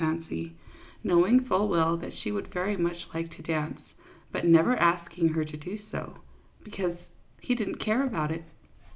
37 fancy, knowing full well that she would very much like to dance, but never asking her to do so, because he did n't care about it.